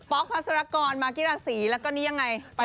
โป๊คภัษรกรมท์มากิะหล่าซีและก็นี่ยังไง